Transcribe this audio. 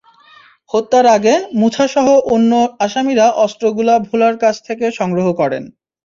হত্যার আগে মুছাসহ অন্য আসামিরা অস্ত্রগুলো ভোলার কাছ থেকে সংগ্রহ করেন।